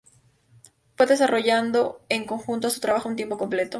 Fue desarrollado en conjunto a su trabajo a tiempo completo.